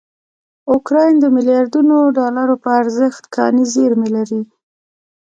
اوکراین دمیلیاردونوډالروپه ارزښت کاني زېرمې لري.